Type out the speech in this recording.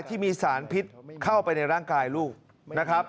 ที่มีสารพิษเข้าไปในร่างกายลูกนะครับ